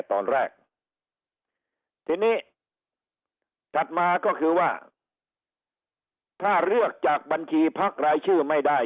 ตอนแรกทีนี้ถัดมาก็คือว่าถ้าเลือกจากบัญชีพักรายชื่อไม่ได้